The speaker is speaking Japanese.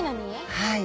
はい。